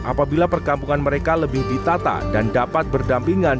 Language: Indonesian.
apabila perkampungan mereka lebih ditata dan dapat berdampingan